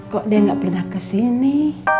kok dia nggak pernah kesini